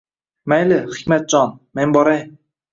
Mayli, Hikmatjon, men boray.